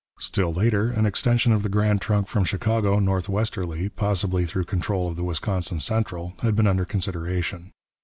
Still later an extension of the Grand Trunk from Chicago northwesterly, possibly through control of the Wisconsin Central, had been under consideration.